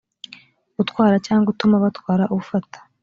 utwara cyangwa utuma batwara ufata